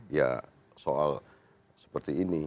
ya soal seperti ini